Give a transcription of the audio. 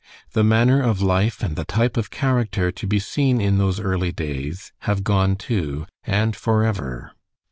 The manner of life and the type of character to be seen in those early days have gone too, and forever.